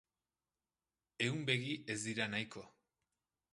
Ehun begi ez dira nahiko.